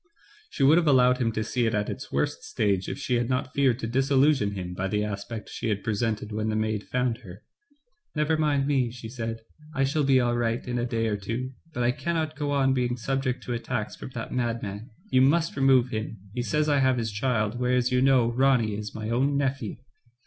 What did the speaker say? She would have allowed him to see it at its worst stage if she had not feared to disillu sionize him by the aspect she had presented when the maid found her. "Never mind me," she said, "I shall be all right in a day or two ; but I cannot go on being subject to attacks from that madman, you must remove him ; he says I have his child, whereas you know Ronny is my own nephew.